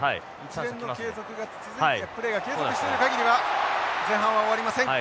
一連のプレーが継続している限りは前半は終わりません。